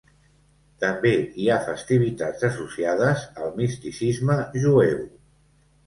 També hi ha festivitats associades al misticisme jueu.